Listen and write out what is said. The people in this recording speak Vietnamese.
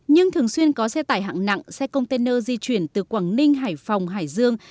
nhưng thường xuyên có xe tải hạng nặng xe container di chuyển từ quảng ninh hải phòng hải dương